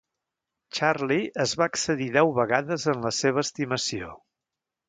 Charlie es va excedir deu vegades en la seva estimació.